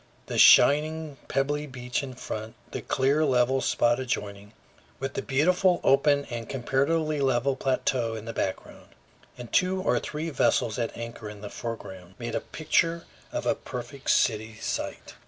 The shining, pebbly beach in front, the clear, level spot adjoining, with the beautiful open and comparatively level plateau in the background, and two or three vessels at anchor in the foreground, made a picture of a perfect city site.